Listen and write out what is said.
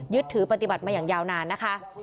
ถือปฏิบัติมาอย่างยาวนานนะคะ